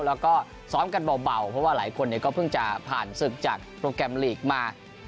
แล้วก็ซ้อมกันเบาเพราะว่าหลายคนก็เพิ่งจะผ่านศึกจากโปรแกรมลีกมา